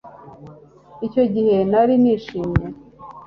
Icyo gihe nari nishimye